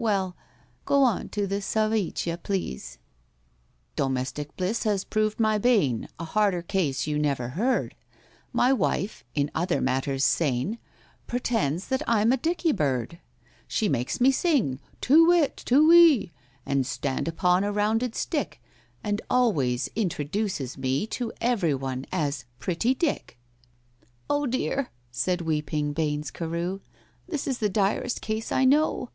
Well— Go on to the sævitia, please." "Domestic bliss has proved my bane,— A harder case you never heard, My wife (in other matters sane) Pretends that I'm a Dicky bird! "She makes me sing, 'Too whit, too wee!' And stand upon a rounded stick, And always introduces me To every one as 'Pretty Dick'!" "Oh, dear," said weeping BAINES CAREW, "This is the direst case I know."